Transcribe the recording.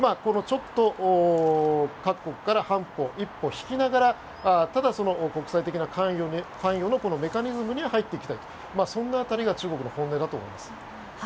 ちょっと各国から半歩、一歩引きながらただ、国際的な関与のメカニズムには入ってきたりとそんな辺りが中国の本音だと思います。